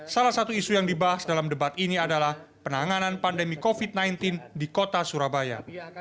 salah satu isu yang dibahas dalam debat ini adalah penanganan pandemi covid sembilan belas di kota surabaya